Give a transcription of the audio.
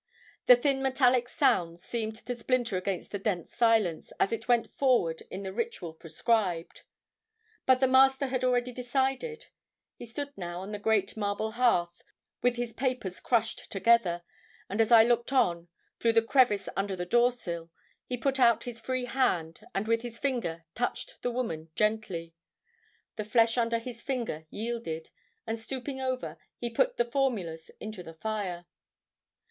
The thin metallic sounds seemed to splinter against the dense silence, as it went forward in the ritual prescribed. "But the Master had already decided; he stood now on the great marble hearth with his papers crushed together. And as I looked on, through the crevice under the doorsill, he put out his free hand and with his finger touched the woman gently. The flesh under his finger yielded, and stooping over, he put the formulas into the fire."